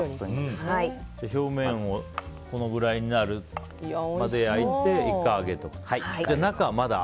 表面がこのぐらいになるまで焼いて１回あげておく。